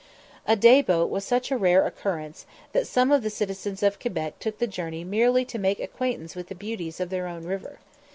A day boat was such a rare occurrence that some of the citizens of Quebec took the journey merely to make acquaintance with the beauties of their own river.